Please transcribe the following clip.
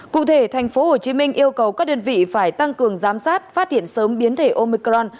cụ thể tp hcm yêu cầu các đơn vị phải tăng cường giám sát phát hiện sớm biến thể omicron